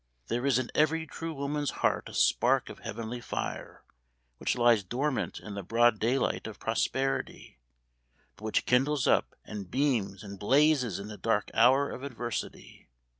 There is in every true woman's heart a spark of heavenly fire, which lies dormant in the broad daylight of prosperity; but which kindles up, and beams, and blazes in the dark hour of adversity.